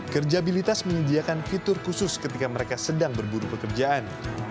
kerjabilitas menyediakan fitur khusus ketika mereka sedang berburu pekerjaan